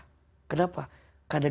kenapa karena geraknya banyak keluar darah